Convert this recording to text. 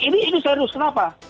nah ini serius kenapa